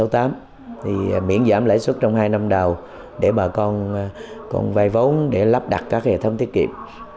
thì miễn giảm lãi suất trong hai năm đầu để bà con còn vay vốn để lắp đặt các hệ thống tiết kiệm